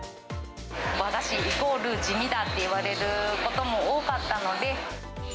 和菓子イコール地味だって言われることも多かったので。